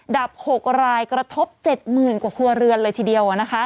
ดับ๖รายกระทบ๗๐๐๐กว่าครัวเรือนเลยทีเดียว